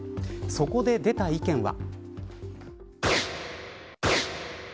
そこで出た意見は。